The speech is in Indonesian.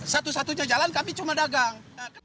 satu satunya jalan kami cuma dagang